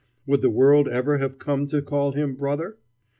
Would the world ever have come to call him brother?